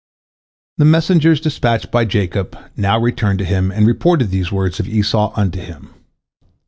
The messengers dispatched by Jacob now returned to him, and reported these words of Esau unto him.